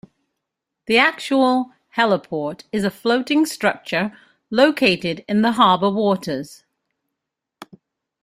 The actual heliport is a floating structure located in the harbour waters.